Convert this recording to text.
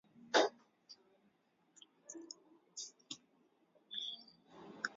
kutokana na jamii ya kimasai kupata elimu na kufahamu madhara ya mila hizo